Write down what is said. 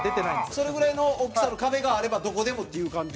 それぐらいの大きさの壁があればどこでもっていう感じ？